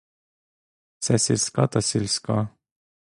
Все сільська та сільська.